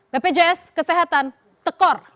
bpjs kesehatan tekor